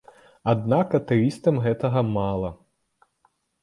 Аднак атэістам гэтага мала.